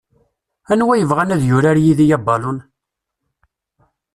Anwa yebɣan ad yurar yid-i abalun?